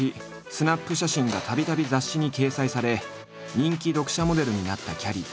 スナップ写真がたびたび雑誌に掲載され人気読者モデルになったきゃりー。